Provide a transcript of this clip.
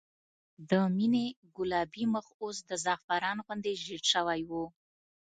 د مينې ګلابي مخ اوس د زعفران غوندې زېړ شوی و